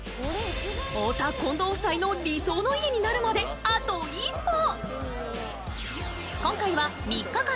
太田・近藤夫妻の理想の家になるまであと一歩。